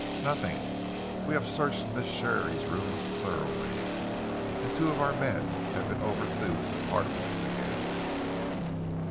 "Nothing. We have searched Miss Sharey's rooms thoroughly, and two of our men have been over Thew's apartments again."